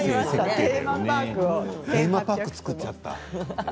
テーマパーク作っちゃった。